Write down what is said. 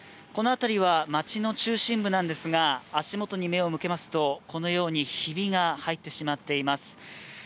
この辺りは町の中心部なんですが足元に目を向けますとこのように、ひびが入ってしまっています。